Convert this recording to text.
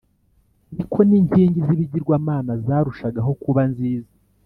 ni ko n’inkingi z’ibigirwamana zarushagaho kuba nziza.